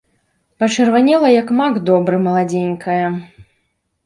Пачырванела, як мак добры, маладзенькая.